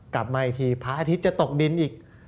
กลับมาอีกทีพระอาทิตย์จะตกดินอีก